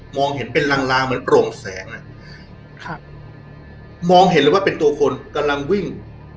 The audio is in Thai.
เห็นเป็นลางลางเหมือนโปร่งแสงอ่ะครับมองเห็นเลยว่าเป็นตัวคนกำลังวิ่ง